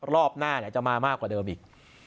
รอบหน้าจะมามากกว่าเดิมอีก